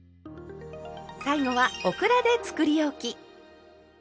最後はオクラでつくりおき。